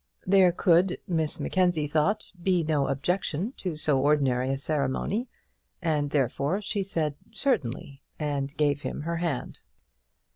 There could, Miss Mackenzie thought, be no objection to so ordinary a ceremony; and, therefore, she said, "Certainly," and gave him her hand.